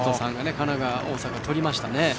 神奈川、大阪がとりましたね。